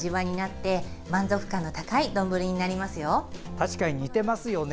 確かに似てますよね。